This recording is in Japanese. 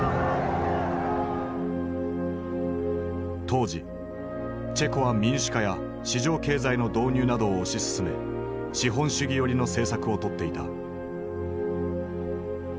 当時チェコは民主化や市場経済の導入などを推し進め資本主義寄りの政策をとっていた。